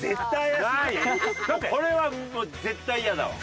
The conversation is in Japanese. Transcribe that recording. これは絶対嫌だわ。